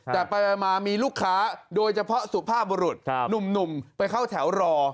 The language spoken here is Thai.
แต่ไปมามีลูกค้าโดยเฉพาะสุภาพบุรุษหนุ่มไปเข้าแถวรอ